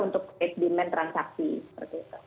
untuk dete demand transaksi seperti itu